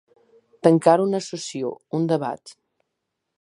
Tancar una sessió, un debat.